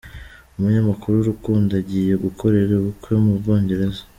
Umunyamakuru Rukundo agiye gukorera ubukwe mu Bwongereza